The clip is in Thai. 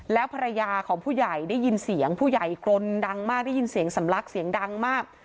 แล้วภรรยาของผู้ใหญ่ได้ยินเสียงผู้ใหญ่กรนดังมากได้ยินเสียงสำลักเสียงดังมาก